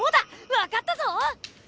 わかったぞ！